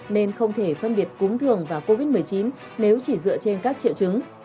nên không thể phân biệt cúng thường và covid một mươi chín nếu chỉ dựa trên các triệu chứng